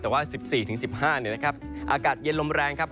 แต่ว่า๑๔๑๕เนี่ยนะครับอากาศเย็นลมแรงครับ